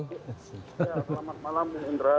selamat malam pak indra